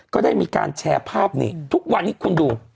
ก็ได้มีการแชร์ภาพนี้ทุกวันนี้คุณดู